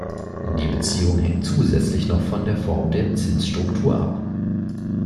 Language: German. Die Beziehung hängt zusätzlich noch von der Form der Zinsstruktur ab.